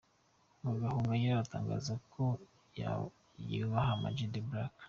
Na Gahongayire atangaza ko yubaha Amag The Black.